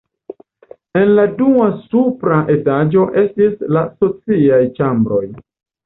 En la dua supra etaĝo estis la sociaj ĉambroj.